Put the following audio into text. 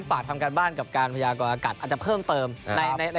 รายงานให้กับคุณผู้ชมได้ติดตามกัน